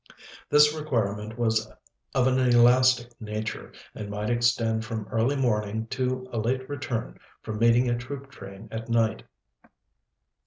This requirement was of an elastic nature, and might extend from early morning to a late return from meeting a troop train at night.